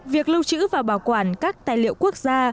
việc lưu trữ và bảo quản các tài liệu quốc gia